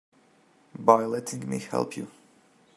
By letting me help you.